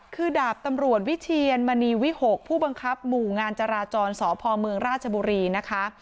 คือดาบตำรวจวิเชียรมณีวิหกผู้บังคับหมู่งานจราจรสพเมืองราชบุรีนะคะ